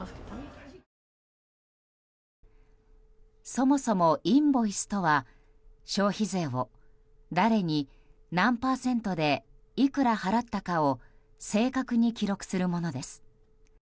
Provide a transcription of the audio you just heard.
そもそもインボイスとは消費税を誰に何パーセントでいくら払ったかを正確に記録するものです。